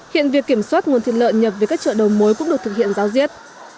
hiện việc kiểm soát nguồn thịt lợn nhập về các chợ đầu mối cũng được thực hiện giáo diết